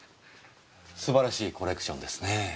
素晴らしいコレクションですねぇ。